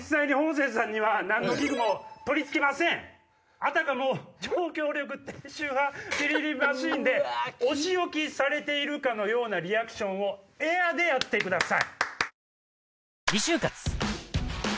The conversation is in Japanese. あたかも超強力低周波ビリビリマシーンでお仕置きされているかのようなリアクションをエアでやってください。